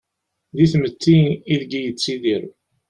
Di tmetti ideg-i yettidir.